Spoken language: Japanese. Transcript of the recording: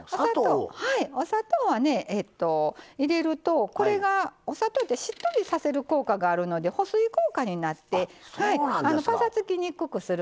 お砂糖はね入れるとこれがお砂糖ってしっとりさせる効果があるので保水効果になってぱさつきにくくするんです。